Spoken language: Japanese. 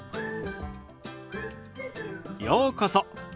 ようこそ。